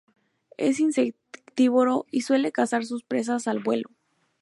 Es insectívoro y suele cazar sus presas al vuelo.